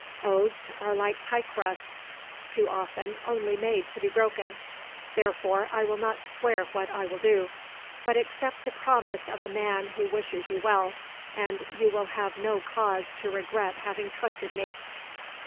Oaths are like pie crusts, too often only made to be broken, therefore I will not swear what I will do: but accept the promise of a man who wishes you well, and you will have no cause to regret having trusted me."